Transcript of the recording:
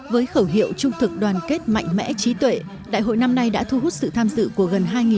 với khẩu hiệu trung thực đoàn kết mạnh mẽ trí tuệ đại hội năm nay đã thu hút sự tham dự của gần